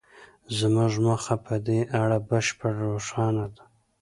زموږ موخه په دې اړه بشپړه روښانه ده